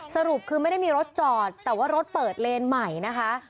สรุปคือไม่ได้มีรถจอดแต่ว่ารถเปิดเลนใหม่นะคะ